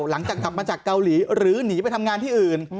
หลังจากกลับมาจากเกาหลีหรือหนีไปทำงานที่อื่น